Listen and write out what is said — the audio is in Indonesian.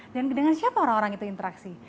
dan dengan siapa orang orang itu interaksi